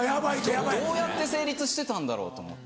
どうやって成立してたんだろうと思って。